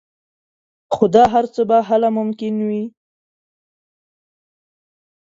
خو دا هر څه به هله ممکن وي